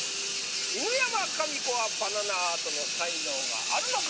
犬山紙子はバナナアートの才能があるのか？